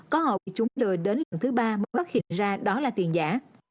có hậu chúng lừa đến lần thứ ba mới phát hiện ra đó là tiền giả